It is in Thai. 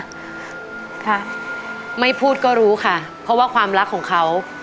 ค่ะไม่พูดก็รู้ค่ะเพราะว่าความรักของเขา